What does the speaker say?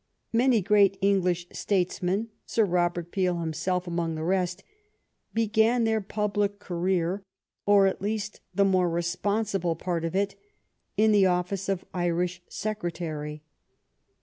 Many great English statesmen. Sir Robert Peel himself among the rest, began their public career, or at least the more responsible part of it, in the office of Irish Secretary.